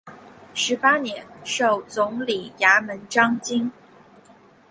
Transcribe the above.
十八年授总理衙门章京。